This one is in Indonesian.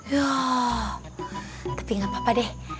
ya tapi gak apa apa deh